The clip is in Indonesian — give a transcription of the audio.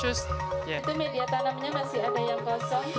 itu media tanamnya masih ada yang kosong